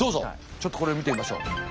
ちょっとこれ見てみましょう。